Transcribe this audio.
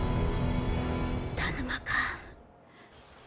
田沼か？